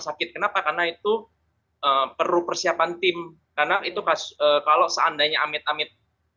sakit kenapa karena itu perlu persiapan tim karena itu kasus kalau seandainya amit amit